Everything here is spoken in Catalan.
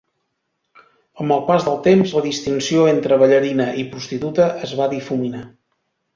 Amb el pas del temps, la distinció entre "ballarina" i "prostituta" es va difuminar.